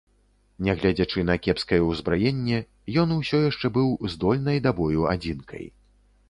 Нягледзячы на кепскае ўзбраенне, ён усё яшчэ быў здольнай да бою адзінкай.